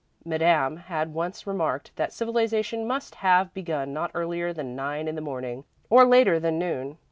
Madame had once remarked that civilisation must have begun not earlier than nine in the morning, or later than noon.